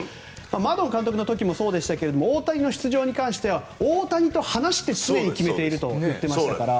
マドン監督の時もそうでしたが大谷の出場の時は大谷と話して決めていると言っていましたから。